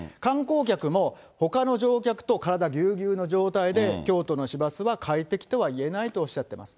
観光客もほかの乗客と体ぎゅうぎゅうの状態で、京都の市バスは快適とは言えないとおっしゃってます。